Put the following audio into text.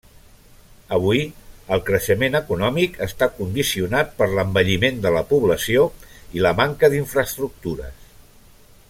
Avui el creixement econòmic està condicionat per l'envelliment de la població i la manca d'infraestructures.